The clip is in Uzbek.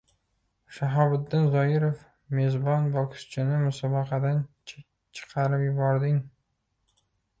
Shahobiddin Zoirov mezbon bokschini musobaqadan chiqarib yubording